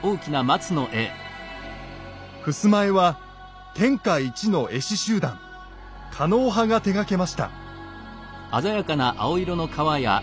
ふすま絵は天下一の絵師集団狩野派が手がけました。